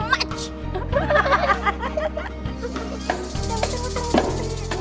tunggu tunggu tunggu